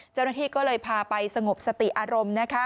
เจ้าหน้าที่ก็เลยพาไปสงบสติอารมณ์นะคะ